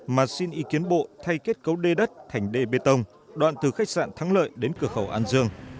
mà xin ý kiến bộ thay kết cấu đê đất thành đê bê tông đoạn từ khách sạn thắng lợi đến cửa khẩu an dương